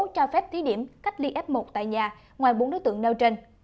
cho phép thí điểm cách ly f một tại nhà ngoài bốn đối tượng nêu trên